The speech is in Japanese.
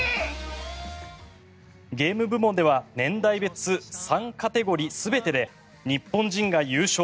ゲーム部門では年代別３カテゴリ全てで日本人が優勝。